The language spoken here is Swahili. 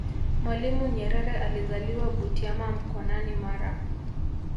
mwalimu nyerere alizaliwa butiama mkonani mara